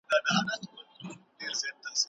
که تعلیمي چاپېریال خوندي وي، ویره نه پیدا کيږي.